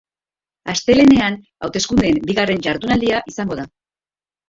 Astelehenean hauteskundeen bigarren jardunaldia izango da.